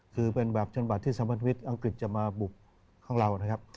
คือเป็นแบบชนบัตรที่สำรวจอังกฤษจะมาบุกของเรานะครับ